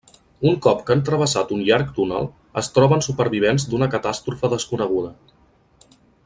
Un cop que han travessat un llarg túnel, es troben supervivents d'una catàstrofe desconeguda.